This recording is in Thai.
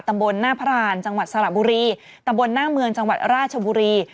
ตำบลหน้าพระรานจังหวัดสระบุรีตำบลหน้าเมืองจังหวัดราชบุรี